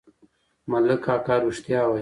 ملک اکا رښتيا وايي.